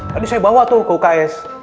tadi saya bawa tuh ke uks